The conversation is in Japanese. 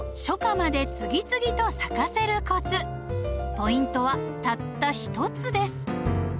ポイントはたった一つです。